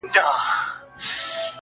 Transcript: مړه راگوري مړه اكثر